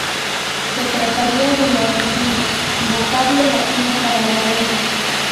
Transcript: Se trataría de ´la regina', vocablo latino para la reina.